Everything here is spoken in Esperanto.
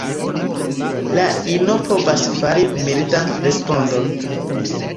La ino povas fari mildan respondon.